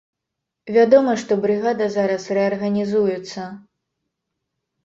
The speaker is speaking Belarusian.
Вядома, што брыгада зараз рэарганізуецца.